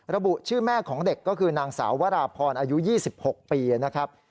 ระบุชื่อแม่ของเด็กก็คือนางสาววราพรอายุ๒๖ปีนะครับ